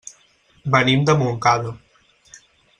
Venim de Montcada.